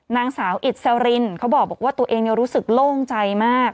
นางสาวอิสรินเขาบอกว่าตัวเองรู้สึกโล่งใจมาก